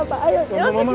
ma mama tenang